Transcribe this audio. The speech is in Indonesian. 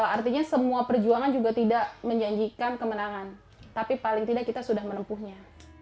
artinya semua perjuangan juga tidak menjanjikan kemenangan tapi paling tidak kita sudah menempuhnya